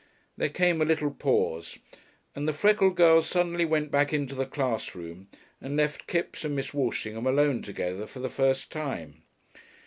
There came a little pause, and the freckled girl suddenly went back into the class room, and left Kipps and Miss Walshingham alone together for the first time.